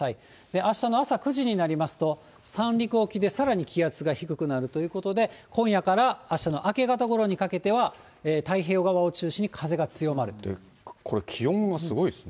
あしたの朝９時になりますと、三陸沖でさらに気圧が低くなるということで、今夜からあしたの明け方ごろにかけては、これ、気温がすごいですね。